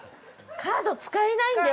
カード使えないんだよ。